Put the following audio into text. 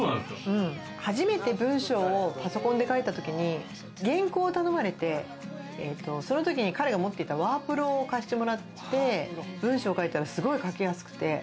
初めて文章をパソコンで書いたときに原稿を頼まれて、その時に彼が持っていたワープロを貸してもらって文章を書いたらすごい書きやすくて。